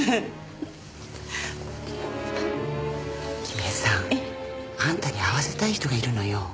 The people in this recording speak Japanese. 君江さんあんたに会わせたい人がいるのよ。